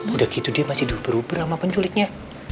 udah gitu dia masih beruber uber sama penculiknya